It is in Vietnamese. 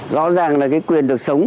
rõ ràng là cái quyền được sống